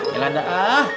ya lah dah